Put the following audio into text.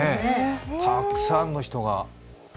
たくさんの人が。